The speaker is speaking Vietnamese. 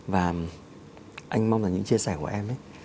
và anh mong là những chia sẻ của em